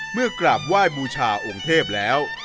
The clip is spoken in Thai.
กราบไหว้บูชาองค์เทพแล้ว